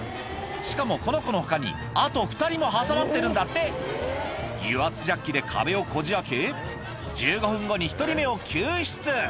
しかもこの子の他にあと２人も挟まってるんだって油圧ジャッキで壁をこじ開け１５分後に１人目を救出